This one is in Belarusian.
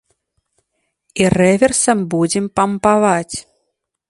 І рэверсам будзем пампаваць.